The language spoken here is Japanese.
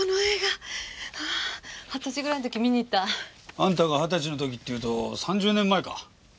あんたが二十歳の時っていうと３０年前か。